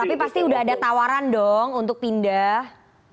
tapi pasti udah ada tawaran dong untuk pindah